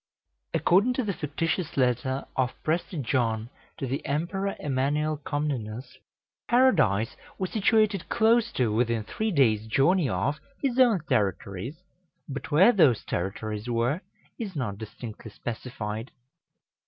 According to the fictitious letter of Prester John to the Emperor Emanuel Comnenus, Paradise was situated close to within three days' journey of his own territories, but where those territories were, is not distinctly specified.